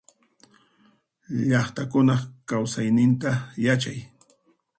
Llaqtakunaq kausayninta yachay.